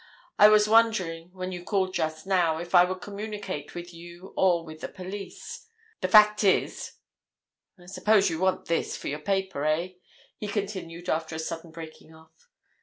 "I was wondering, when you called just now, if I would communicate with you or with the police. The fact is—I suppose you want this for your paper, eh?" he continued after a sudden breaking off.